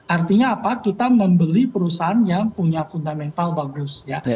artinya apa kita membeli perusahaan yang punya fundamental bagus ya